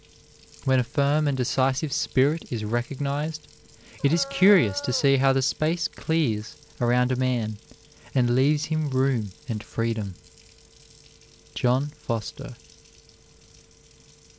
When a firm and decisive spirit is recognized, it is curious to see how the space clears around a man and leaves him room and freedom. JOHN FOSTER.